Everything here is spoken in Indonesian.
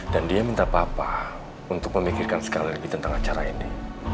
dan dia minta papa untuk memikirkan sekali lagi tentang acara ini